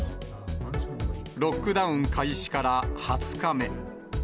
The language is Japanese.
ロックダウン開始から２０日目。